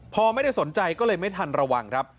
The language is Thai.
พอไม่ได้สนใจก็เลยไม่ทันระวังครับ